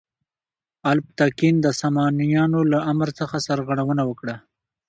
الپتکین د سامانیانو له امر څخه سرغړونه وکړه.